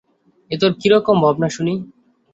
এ তোর কীরকম ভাবনা শুনি?